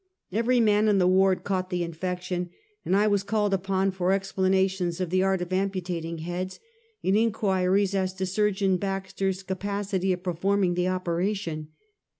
Every man in the ward caught the infection, and I was called upon for explanations of the art of amputating heads, and inquiries as to Surgeon Baxter's capacity of performing the operation.